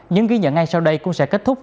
những ghi nhận ngay sau đây cũng sẽ kết thúc